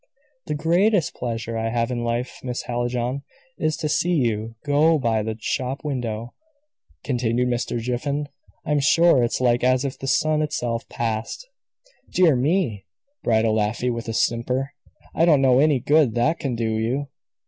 "The greatest pleasure I have in life, Miss Hallijohn, is to see you go by the shop window," continued Mr. Jiffin. "I'm sure it's like as if the sun itself passed." "Dear me!" bridled Afy, with a simper, "I don't know any good that can do you.